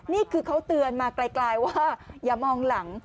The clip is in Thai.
นี่คือเขาเตือนมาไกลว่าอย่ามองหลัง